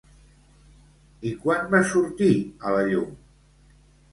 I quan va sortir a la llum?